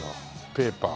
ペーパー。